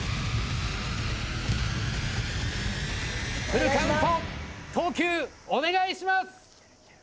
フルカウント投球お願いします。